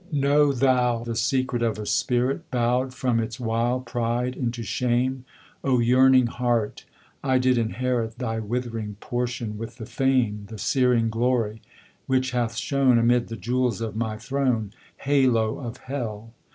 Know thou the secret of a spirit Bow'd from its wild pride into shame. O yearning heart! I did inherit Thy withering portion with the fame, The searing glory which hath shone Amid the jewels of my throne, Halo of Hell!